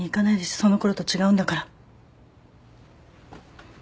そのころと違うんだから。